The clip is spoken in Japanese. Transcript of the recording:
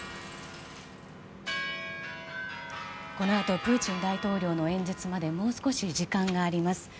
このあとプーチン大統領の演説までもう少し時間があります。